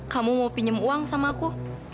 kamu mau pinjam uang sama aku